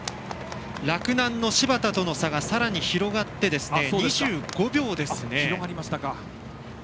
洛南の柴田との差がさらに広がって２５秒ですね。